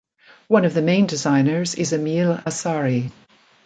One of the main designers is Emile Asari.